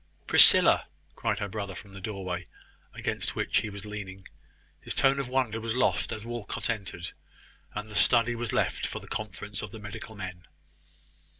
"Priscilla!" cried her brother, from the doorway, against which he was leaning. His tone of wonder was lost as Walcot entered, and the study was left for the conference of the medical men.